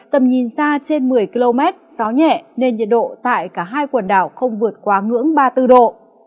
tầm nhìn xa trên một mươi km gió nhẹ nên nhiệt độ tại cả hai quần đảo không vượt quá ngưỡng ba mươi bốn độ